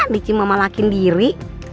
dicium mama lakin diri